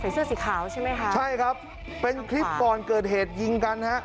เสื้อสีขาวใช่ไหมคะใช่ครับเป็นคลิปก่อนเกิดเหตุยิงกันฮะ